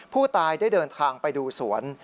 ผู้ตายได้เดินทางไปดูสวน